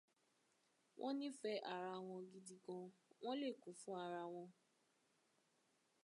Wọ́n nífẹ̀ẹ́ ara wọn gidi gan, wọ́n lè kú fún ara wọn.